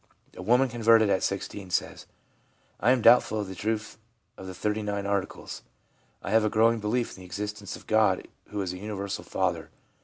A woman converted at 16 says: 'I am doubtful of the truth of the Thirty nine Articles. I have a growing belief in the existence of God who is a universal Father.